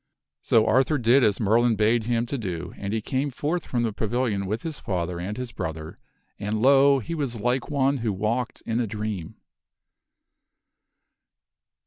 So Arthur did as Merlin bade him to do, and he came forth from the pavilion with his father and his brother, and, lo ! he was like one who walked in a dream.